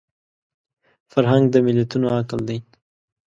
فرهنګ د ملتونو عقل دی